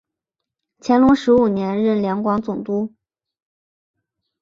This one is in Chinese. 乾隆十五年任两广总督。